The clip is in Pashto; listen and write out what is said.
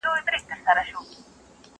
وينه په وينو نه پاکېږي.